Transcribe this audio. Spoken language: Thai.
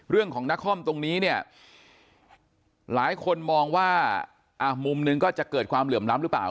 เรื่องของนครตรงนี้เนี่ยหลายคนมองว่ามุมหนึ่งก็จะเกิดความเหลื่อมล้ำหรือเปล่า